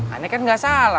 aneh kan gak salah